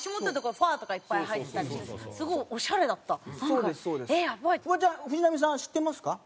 フワちゃん藤波さんは知ってますか？